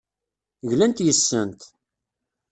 Glant yes-sent.